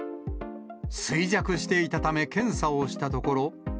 衰弱していたため、検査をしたところ。